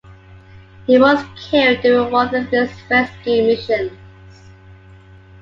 He was killed during one of these rescue missions.